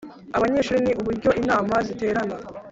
Abanyeshuri n uburyo inama ziterana